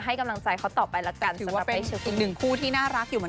หพบคำตอบและห้ายพบ